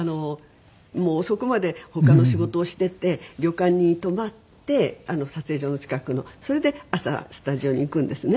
もう遅くまで他の仕事をしてて旅館に泊まって撮影所の近くの。それで朝スタジオに行くんですね。